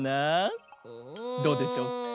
どうでしょうか？